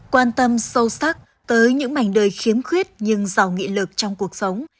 quan tâm sâu sắc tới những mảnh đời khiếm khuyết nhưng giàu nghị lực trong cuộc sống